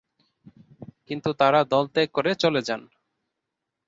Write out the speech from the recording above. কিন্তু তারা দলত্যাগ করে চলে যান।